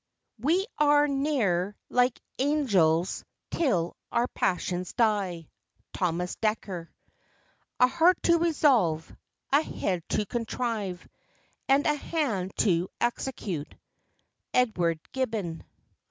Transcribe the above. "We are ne'er like angels till our passions die." THOMAS DEKKER. "A heart to resolve, a head to contrive, and a hand to execute." EDWARD GIBBON.